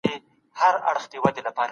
طبیعي علوم څه ناڅه ټاکلي ساحه لري.